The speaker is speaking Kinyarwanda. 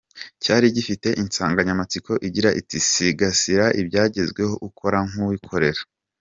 Cyari gifite insanganyamatsiko igira iti “Sigasira ibyagezweho, ukora nk’uwikorera.